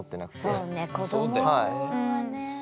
そうね子どもはね。